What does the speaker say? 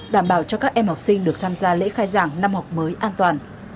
đảm bảo cho các em học sinh được tham gia lễ khai giảng năm học mới an toàn